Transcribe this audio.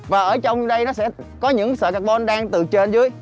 và ở trong đây nó sẽ có những sợi carbon đang từ trên dưới